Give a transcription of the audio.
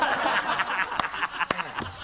ハハハ